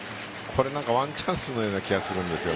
ワンチャンスのような気がするんですよ。